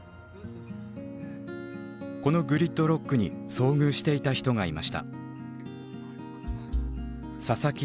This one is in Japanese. このグリッドロックに遭遇していた人がいました。